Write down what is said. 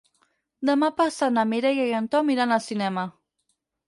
Demà passat na Mireia i en Tom iran al cinema.